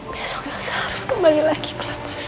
besok elsa harus kembali lagi ke labas